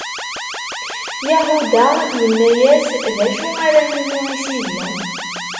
Yahuda yenna-yas: D acu ara nini i sidi?